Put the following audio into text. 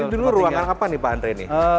dulu ruangan apa nih pak andre ini